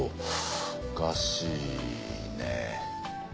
おかしいね。